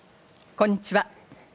こんにちは。